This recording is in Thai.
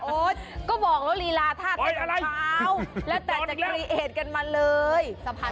โอ๊ยก็บอกแล้วลีลาธาตุแก่สาวแล้วแต่จะครีเอตกันมาเลย